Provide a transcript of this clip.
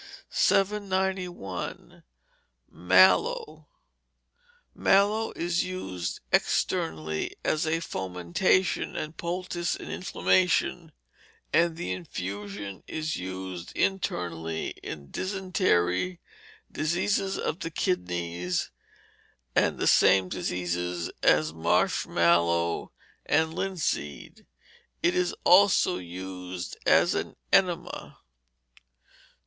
791. Mallow Mallow is used externally as a fomentation and poultice in inflammation, and the infusion is used internally in dysentery, diseases of the kidneys, and the same diseases as marsh mallow and linseed. It is also used as an enema.